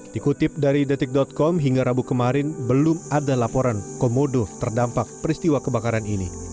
dikutip dari detik com hingga rabu kemarin belum ada laporan komodo terdampak peristiwa kebakaran ini